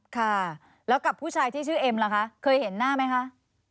ค่ะแล้วกับผู้ชายที่ชื่อเอ็มล่ะคะเคยเห็นหน้าไหมคะ